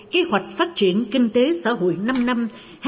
kế hoạch phát triển kinh tế xã hội năm năm hai nghìn hai mươi một hai nghìn hai mươi